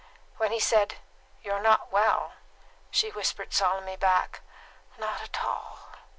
When he said, "You're not well," she whispered solemnly back, "Not at all."